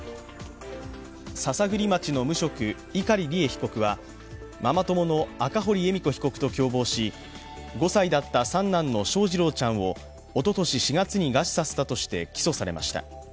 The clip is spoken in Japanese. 篠栗町の無職、碇利恵被告はママ友の赤堀恵美子被告と共謀し、５歳だった三男の翔士郎ちゃんをおととし４月に餓死させたとして起訴されました。